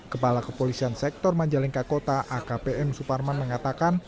kepala kepolisian sektor majalengka kota akpm suparman mengatakan